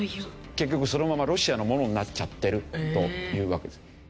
結局そのままロシアのものになっちゃってるというわけです。